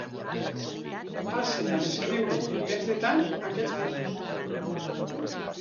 Passe a descriure en més detall aquests punts.